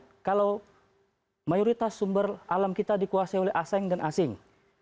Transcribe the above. karena kalau mayoritas sumber alam kita dikuasai oleh asing dan asing